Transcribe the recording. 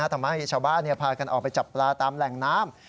ทำให้ชาวบ้านพากันออกไปจับปลาตามแหล่งน้ำ